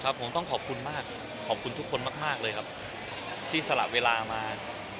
ผมต้องขอบคุณมากขอบคุณทุกคนมากมากเลยครับที่สละเวลามา